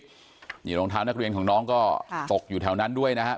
นี่รองเท้านักเรียนของน้องก็ตกอยู่แถวนั้นด้วยนะครับ